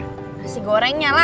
kasih gorengnya lah